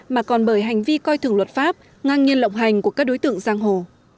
mà còn bởi hành vi coi thường luật pháp ngang nhiên lộng hành của các đối tượng giang hồ